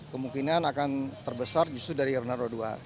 kemungkinan akan terbesar justru dari rna roda dua